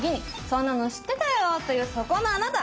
そんなの知ってたよというそこのあなた！